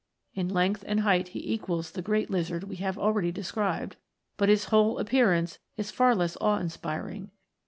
In length and height he equals the great lizard we have already described, but his whole appearance is far less awe inspiring.